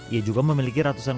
ia juga memiliki ratusan